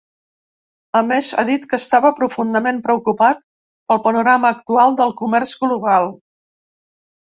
A més, ha dit que estava ‘profundament preocupat’ pel panorama actual del comerç global.